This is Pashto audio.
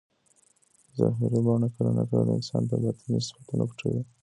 ظاهري بڼه کله ناکله د انسان باطني صفتونه پټوي.